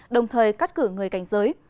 đồng thời cắt cử người cảnh giới